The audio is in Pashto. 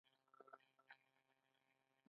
د کوکنارو بدیل معیشت څه دی؟